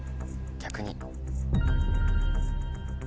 逆に。